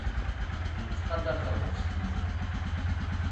Nettqadar tabɣest-nwent.